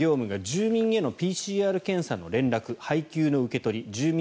主な業務が住民へのＰＣＲ検査の連絡配給の受け取り